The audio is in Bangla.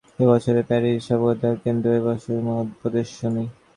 এ বৎসর এ প্যারিস সভ্যজগতে এক কেন্দ্র, এ বৎসর মহাপ্রদর্শনী।